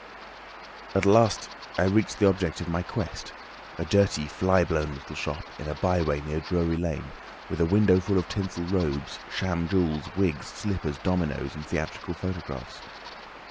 "At last I reached the object of my quest, a dirty, fly blown little shop in a by way near Drury Lane, with a window full of tinsel robes, sham jewels, wigs, slippers, dominoes and theatrical photographs.